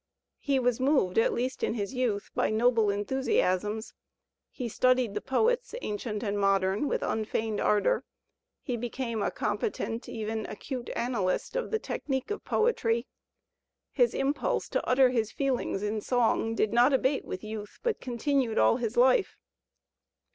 He was moved, at least in his youth, by noble enthusiasms; he studied the poets ancient and modem with unfeigned ardour; he became a competent, even acute, analyst of the technique of poetry; his impulse to utter his feelings in song did not abate with 189 Digitized by Google 190 THE SPIRIT OP AMERICAN LITERATURE youth but continued all his life.